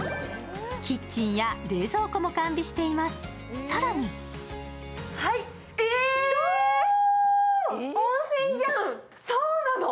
キッチンや冷蔵庫も完備しています、更に温泉じゃん！